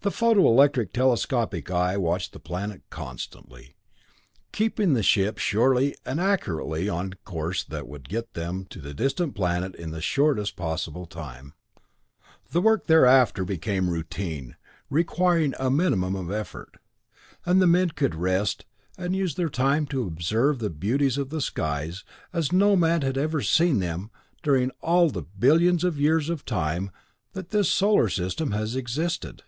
The photo electric telescopic eye watched the planet constantly, keeping the ship surely and accurately on the course that would get them to the distant planet in the shortest possible time. Work thereafter became routine requiring a minimum of effort, and the men could rest and use their time to observe the beauties of the skies as no man had ever seen them during all the billions of years of time that this solar system has existed.